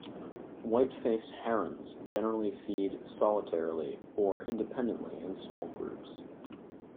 White-faced herons generally feed solitarily or independently in small groups.